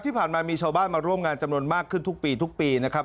ที่ผ่านมามีชาวบ้านมาร่วมงานจำนวนมากขึ้นทุกปีทุกปีนะครับ